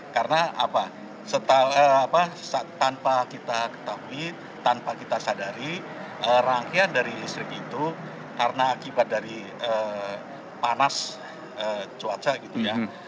karena tanpa kita ketahui tanpa kita sadari rangkaian dari listrik itu karena akibat dari panas cuaca gitu ya